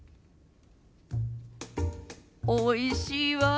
おいしいわあ。